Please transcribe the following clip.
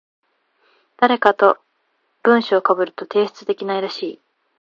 誰かと文章被ると提出できないらしい。